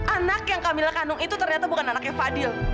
anak yang kami kandung itu ternyata bukan anaknya fadil